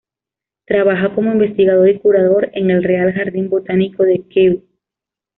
Trabaja como investigador y curador en el Real Jardín Botánico de Kew.